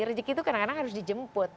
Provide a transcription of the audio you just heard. rezeki itu kadang kadang harus dijemput